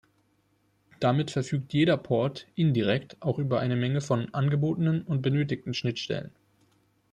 Damit verfügt jeder Port "indirekt" auch über eine Menge von angebotenen und benötigten Schnittstellen.